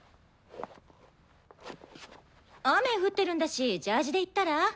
雨降ってるんだしジャージで行ったら？